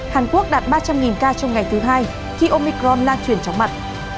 hàn quốc đạt ba trăm linh ca trong ngày thứ hai khi omicron lan truyền chóng mặt